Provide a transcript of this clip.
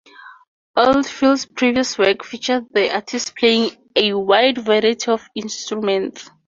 Oldfield's previous works featured the artist playing a wide variety of instruments.